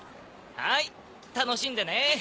はい楽しんでね。